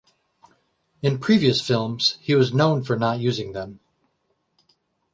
In previous films, he was known for not using them.